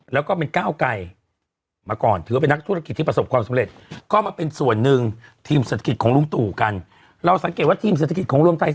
แล้วก็เห็นก้าวไกร